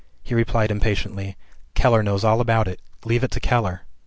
He replied impatiently, 'Keller knows all about it leave it to Keller.'